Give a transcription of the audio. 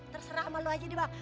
terserah sama lu aja nih bang